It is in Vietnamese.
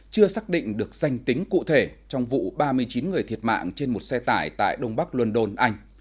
chưa xác định được danh tính cụ thể trong vụ ba mươi chín người thiệt mạng trên một xe tải tại đông bắc london anh